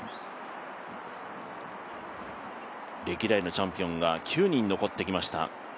歴代のチャンピオンが９人残ってきました